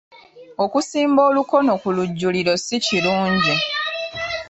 Okusimba olukono ku lujjuliro si kirungi.